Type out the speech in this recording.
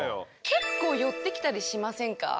結構寄ってきたりしませんか？